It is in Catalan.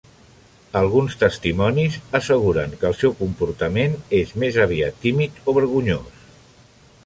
Alguns testimonis asseguren que el seu comportament és més aviat tímid o vergonyós.